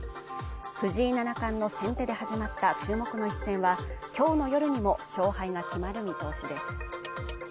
藤井七段の先手で始まった注目の一戦は今日の夜にも勝敗が決まる見通しです